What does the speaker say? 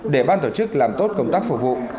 để ban tổ chức làm tốt công tác phục vụ